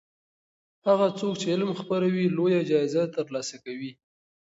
هغه څوک چې علم خپروي لویه جایزه ترلاسه کوي.